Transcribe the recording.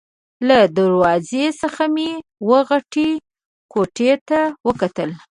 له دروازې څخه مې وه غټې کوټې ته وکتل.